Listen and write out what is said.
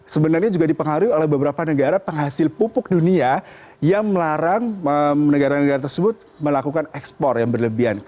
sebenarnya juga dipengaruhi oleh beberapa negara penghasil pupuk dunia yang melarang negara negara tersebut melakukan ekspor yang berlebihan